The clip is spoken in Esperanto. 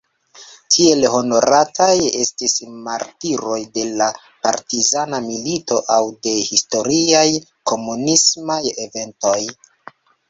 Tiel honorataj estis martiroj de la partizana milito aŭ de historiaj komunismaj eventoj.